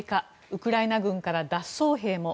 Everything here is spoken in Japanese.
ウクライナ軍から脱走兵も。